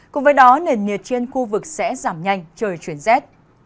cùng với đó nền nhiệt trên khu vực sẽ giảm nhanh trời chuyển rét